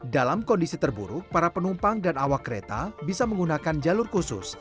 dalam kondisi terburuk para penumpang dan awak kereta bisa menggunakan jalur khusus